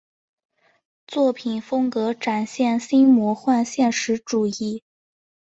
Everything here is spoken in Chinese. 作品风格展现新魔幻现实主义。